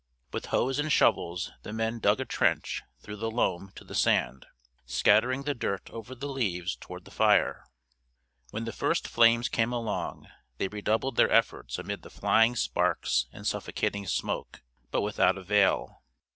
With hoes and shovels the men dug a trench through the loam to the sand, scattering the dirt over the leaves toward the fire. When the first flames came along, they redoubled their efforts amid the flying sparks and suffocating smoke, but without avail.